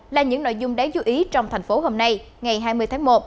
là những nội dung đáng chú ý trong thành phố hôm nay ngày hai mươi tháng một